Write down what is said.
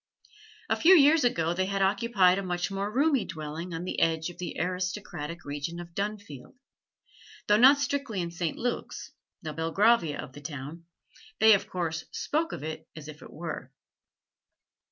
A few years ago they had occupied a much more roomy dwelling on the edge of the aristocratic region of Dunfield; though not strictly in St. Luke's the Belgravia of the town they of course spoke of it as if it were.